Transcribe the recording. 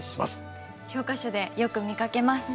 教科書でよく見かけます。